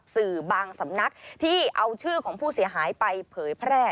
สื่อบางสำนักที่เอาชื่อของผู้เสียหายไปเผยแพร่